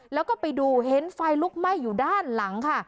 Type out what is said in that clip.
แล้วก็ไปดูเห็นไฟลุกไหม้อยู่ด้านหลังค่ะ